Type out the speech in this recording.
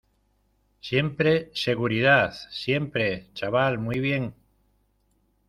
siempre, seguridad , siempre. chaval , muy bien .